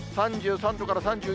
３３度から３４度。